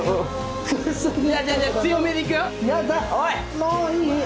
もういい！